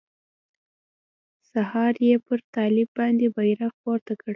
سهار يې پر طالب باندې بيرغ پورته کړ.